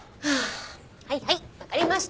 はいはいわかりました。